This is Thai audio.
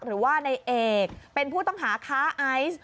หรือว่าในเอกเป็นผู้ต้องหาค้าไอซ์